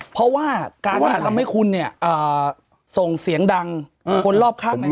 เพราะว่าการที่ทำให้คุณเนี่ยส่งเสียงดังคนรอบข้าง